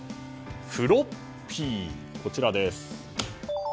フロッピー、こちらです。